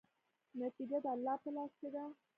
نتیجه د الله په لاس کې ده.